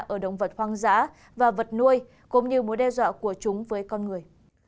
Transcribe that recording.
ở động vật hoang dã và vật nuôi cũng như mối đe dọa của chúng với con người